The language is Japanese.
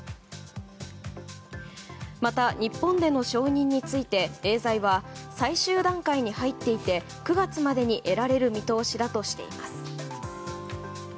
また、日本での承認についてエーザイは最終段階に入っていて９月までに得られる見通しだとしています。